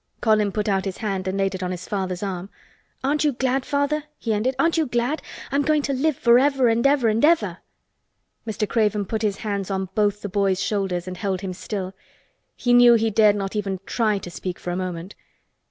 Colin put out his hand and laid it on his father's arm. "Aren't you glad, Father?" he ended. "Aren't you glad? I'm going to live forever and ever and ever!" Mr. Craven put his hands on both the boy's shoulders and held him still. He knew he dared not even try to speak for a moment.